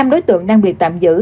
năm đối tượng đang bị tạm dựng